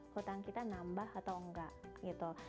hutang kita nambah atau enggak gitu